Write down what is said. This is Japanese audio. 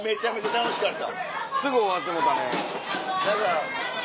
楽しかった。